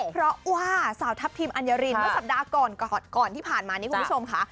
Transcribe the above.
เพราะว่าสาวทัพทิมอัญญารินเมื่อสัปดาห์ก่อนที่ผ่านมานี้คุณผู้ชมค่ะ